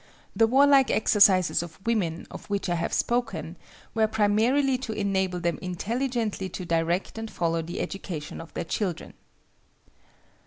The warlike exercises of women, of which I have spoken, were primarily to enable them intelligently to direct and follow the education of their children.